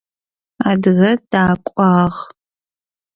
Адыгэ дакӏуагъ.